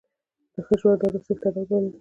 د ښه ژوندانه څښتنان بلل کېږي.